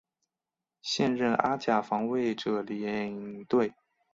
现任阿甲防卫者领队。